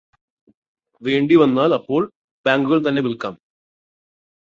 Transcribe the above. വേണ്ടി വന്നാൽ അപ്പോൾ ബാങ്കുകൾ തന്നെ വിൽക്കാം.